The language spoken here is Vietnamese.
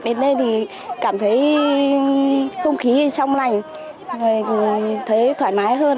đến đây thì cảm thấy không khí trong lành thấy thoải mái hơn